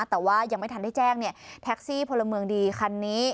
แต่ว่ายังไม่ทันได้แจ้งแท็กซี่พลเมืองดีคันนี้